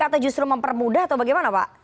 atau justru mempermudah atau bagaimana pak